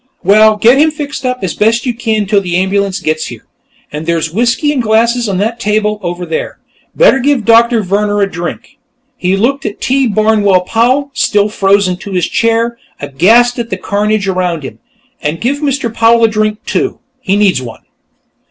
"Well, get him fixed up as best you can, till the ambulance gets here. And there's whiskey and glasses on that table, over there. Better give Doctor Vehrner a drink." He looked at T. Barnwell Powell, still frozen to his chair, aghast at the carnage around him. "And give Mr. Powell a drink, too. He needs one."